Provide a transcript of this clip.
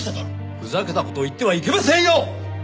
ふざけた事を言ってはいけませんよ！